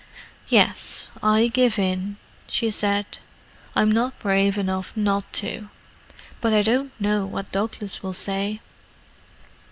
"Yes, I give in," she said. "I'm not brave enough not to. But I don't know what Douglas will say."